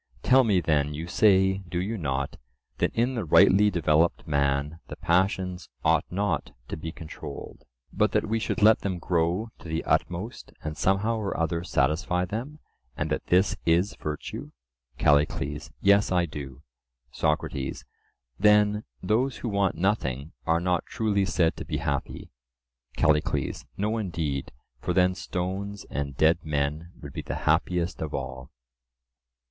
Tell me, then:—you say, do you not, that in the rightly developed man the passions ought not to be controlled, but that we should let them grow to the utmost and somehow or other satisfy them, and that this is virtue? CALLICLES: Yes; I do. SOCRATES: Then those who want nothing are not truly said to be happy? CALLICLES: No indeed, for then stones and dead men would be the happiest of all.